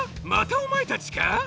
またおまえたちか？